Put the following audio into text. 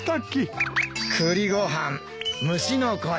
栗ご飯虫の声。